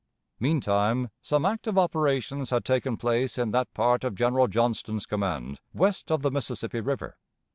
Meantime some active operations had taken place in that part of General Johnston's command west of the Mississippi River.